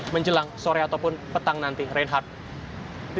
menjelang sore ataupun petang nanti reinhardt